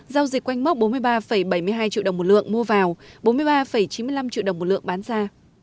giao dịch quanh mốc bốn mươi ba bảy mươi hai triệu đồng một lượng mua vào bốn mươi ba chín mươi năm triệu đồng một lượng bán ra